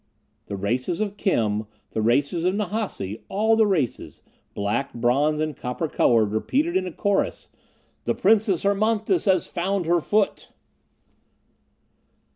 The races of Kheme, the races of Nahasi, all the races, black, bronze, and copper colored, repeated in a chorus: "The Princess Hermonthis has found her foot."